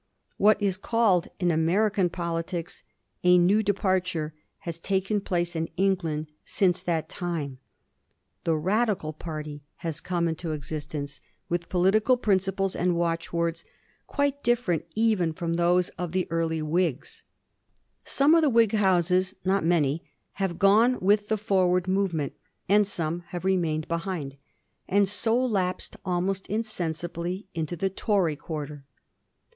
What is called in American politics a new departure has taken place in England since that time ; the Radical party has come into existence with Digiti zed by Google 26 A HISTORY OF THE FOUR GEORGES. CH. TI» political principles and watchwords quite different even firom those of the early Whigs. Some of the Whig houses, not many, have gone with the forward movement ; some have remained behind, and sa lapsed almost insensibly into the Tory quarter.